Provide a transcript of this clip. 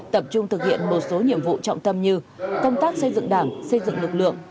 tập trung thực hiện một số nhiệm vụ trọng tâm như công tác xây dựng đảng xây dựng lực lượng